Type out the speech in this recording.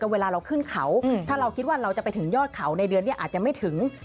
เวลาเราขึ้นเขาถ้าเราคิดว่าเราจะไปถึงยอดเขาในเดือนนี้อาจจะไม่ถึง